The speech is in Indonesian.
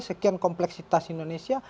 sekian kompleksitas indonesia